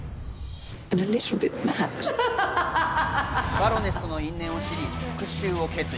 バロネスとの因縁を知り、復讐を決意。